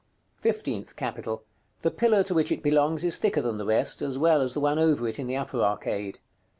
§ CIII. FIFTEENTH CAPITAL. The pillar to which it belongs is thicker than the rest, as well as the one over it in the upper arcade.